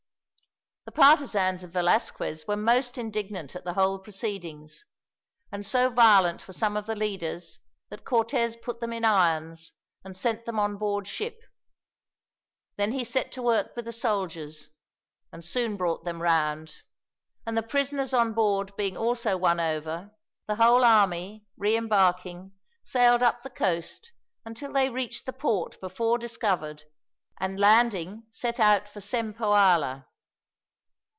The partisans of Velasquez were most indignant at the whole proceedings, and so violent were some of the leaders that Cortez put them in irons, and sent them on board ship. Then he set to work with the soldiers, and soon brought them round; and the prisoners on board being also won over, the whole army, re embarking, sailed up the coast until they reached the port before discovered and, landing, set out for Cempoalla.